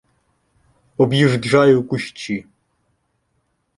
Об'їжджаю кущі.